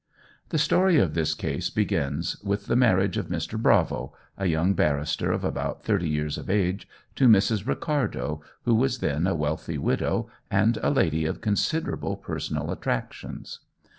The story of this case begins with the marriage of Mr. Bravo, a young barrister of about thirty years of age, to Mrs. Ricardo, who was then a wealthy widow and a lady of considerable personal attractions.